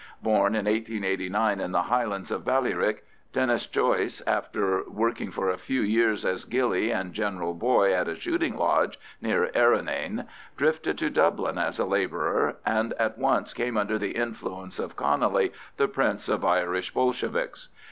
Born in 1889 in the highlands of Ballyrick, Denis Joyce, after working for a few years as gillie and general boy at a shooting lodge near Errinane, drifted to Dublin as a labourer, and at once came under the influence of Connolly, the prince of Irish Bolsheviks.